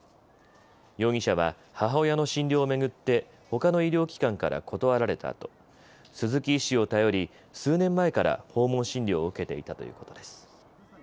容疑者は母親の診療を巡ってほかの医療機関から断られたあと鈴木医師を頼り、数年前から訪問診療を受けていたということです。